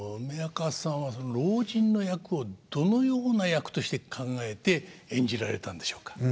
梅若さんは老人の役をどのような役として考えて演じられたんでしょうか？